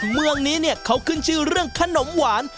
เมืองนี้เนี่ยเขาขึ้นชื่อเรื่องขนมหวาน